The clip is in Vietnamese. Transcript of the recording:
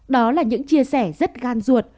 đó là những chia sẻ rất gan ruột